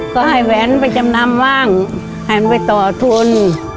ก็ให้แหวนไปจำนำบ้างให้มันไปต่อทุน